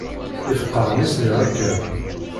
Yefqeε mi s-nniɣ akka.